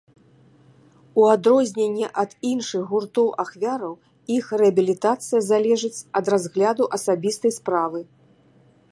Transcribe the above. У адрозненне ад іншых гуртоў-ахвяраў, іх рэабілітацыя залежыць ад разгляду асабістай справы.